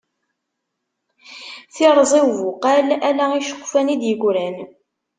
Tirẓi ubuqal, ala iceqfan i d-yegran.